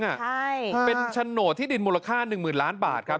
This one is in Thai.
ใช่เป็นฉโนตที่ดินมูลค่า๑๐๐๐๐๐๐๐บาทครับ